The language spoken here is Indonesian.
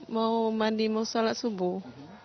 mau mandi mau sholat subuh